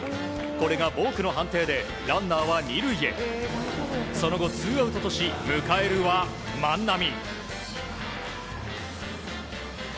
これがボークの判定でランナーは２塁へその後ツーアウトとし迎えるは葉万波。